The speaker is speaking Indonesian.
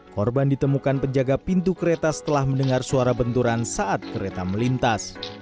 korban ditemukan penjaga pintu kereta setelah mendengar suara benturan saat kereta melintas